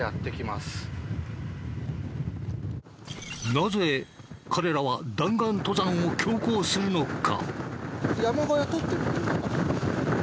なぜ彼らは弾丸登山を強行するのか？